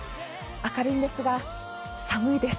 明るいんですが寒いです。